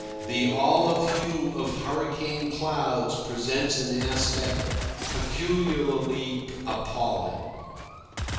The olive hue of hurricane clouds presents an aspect peculiarly appalling.